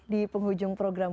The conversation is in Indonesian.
di penghujung program